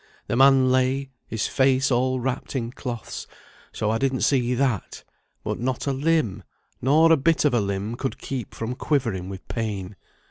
The man lay, his face all wrapped in cloths, so I didn't see that; but not a limb, nor a bit of a limb, could keep from quivering with pain.